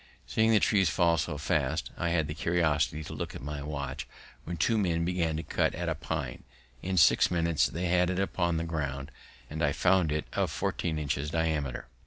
Seeing the trees fall so fast, I had the curiosity to look at my watch when two men began to cut at a pine; in six minutes they had it upon the ground, and I found it of fourteen inches diameter.